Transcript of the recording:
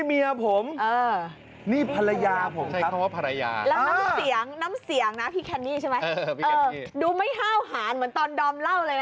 นี่คือภรรยาที่โครบเลยเห็นไหม